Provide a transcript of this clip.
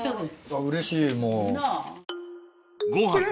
うれしい！